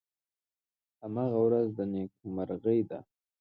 هماغه ورځ د نیکمرغۍ ده .